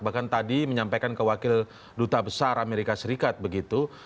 bahkan tadi menyampaikan ke wakil duta besar amerika serikat begitu